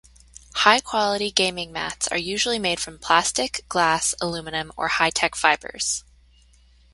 High-quality gaming mats are usually made from plastic, glass, aluminum or high-tech fibers.